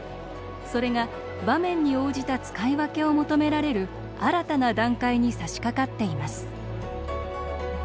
それが、場面に応じた使い分けを求められる新たな段階にさしかかっています。